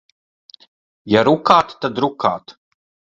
Ja rukāt, tad rukāt.